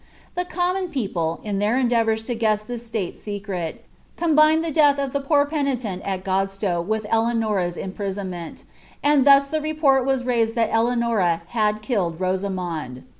The common people, in their endeavours lo ^eas this m\t i secret, combined the death of the poor peiiileni al Godsiow with El« Dora's imprisonment, uid thus the rejiorl was raised that Elcauoia h«l killed Itoeumond.